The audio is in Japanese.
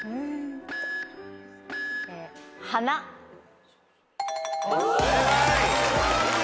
正解。